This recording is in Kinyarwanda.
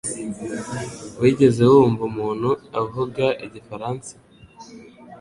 Wigeze wumva umuntu uvuga igifaransa